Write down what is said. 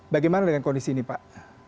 bagaimana dengan kondisi ini pak